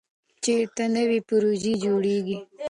چېرته نوې پروژې جوړېږي؟